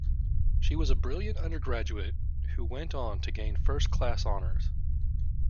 She was a brilliant undergraduate who went on to gain first class honours